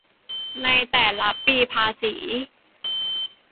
ในแต่ละปีภาษี